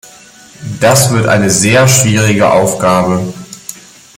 Das wird eine sehr schwierige Aufgabe.